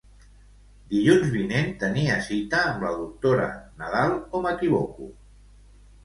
Dilluns vinent tenia cita amb la doctora Nadal o m'equivoco?